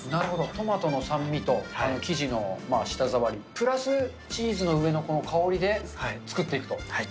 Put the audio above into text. トマトの酸味と、生地の舌触り、プラスチーズの上の香りで作っていくと。